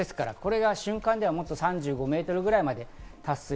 瞬間ではもっと３５メートルぐらいまで達する。